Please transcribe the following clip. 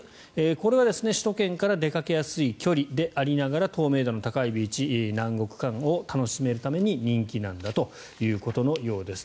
これは首都圏から出かけやすい距離でありながら透明度の高いビーチで南国感を楽しめるために人気なんだということのようです。